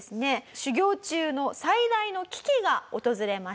修行中の最大の危機が訪れました。